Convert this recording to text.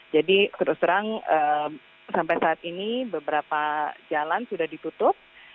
jadi terus terang sampai saat ini beberapa jalan sudah ditutup